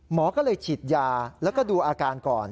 หมอก็เลยฉีดยาแล้วก็ดูอาการก่อน